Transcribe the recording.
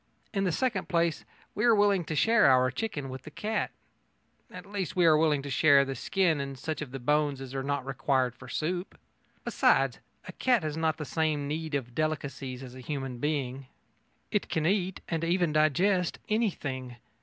In the second place, we are willing to share our chicken with the cat at least, we are willing to share the skin and such of the bones as are not required for soup. Besides, a cat has not the same need of delicacies as a human being. It can eat, and even digest, anything.